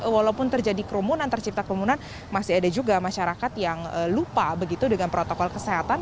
walaupun terjadi kerumunan tercipta kerumunan masih ada juga masyarakat yang lupa begitu dengan protokol kesehatan